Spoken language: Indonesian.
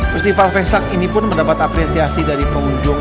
festival faisak ini pun mendapat apresiasi dari pengunjung